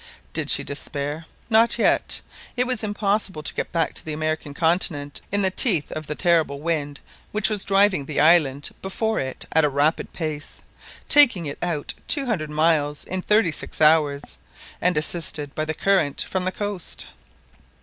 Did she despair? Not yet. It was impossible to get back to the American continent in the teeth of the terrible wind which was driving the island before it at a rapid pace, taking it out two hundred miles in thirty six hours, and assisted by the current from the coast.